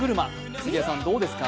杉谷さん、どうですか？